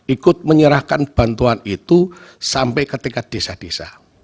ikut menyerahkan bantuan itu sampai ke tingkat desa desa